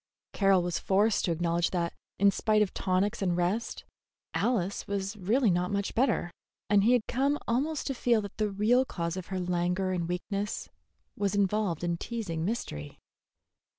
Carroll was forced to acknowledge that, in spite of tonics and rest, Alice was really not much better, and he had come almost to feel that the real cause of her languor and weakness was involved in teasing mystery.